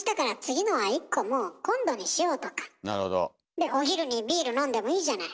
でお昼にビール飲んでもいいじゃない。